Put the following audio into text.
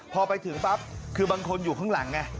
พอไปถึงปั๊บคือบางคนอยู่ข้างหลังไง